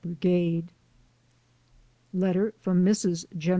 Brigade. Letter from Mrs. Gen.